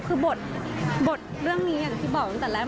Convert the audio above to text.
คือบทเรื่องนี้อย่างที่บอกตั้งแต่แรก